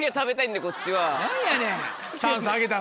何やねん。